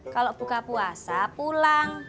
kalau buka puasa pulang